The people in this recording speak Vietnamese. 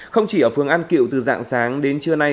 không chỉ ở phường an cựu từ dạng sáng đến trưa nay